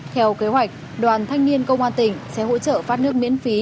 theo kế hoạch đoàn thanh niên công an tỉnh sẽ hỗ trợ phát nước miễn phí